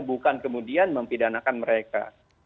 bukan kemudian mempidanakan mereka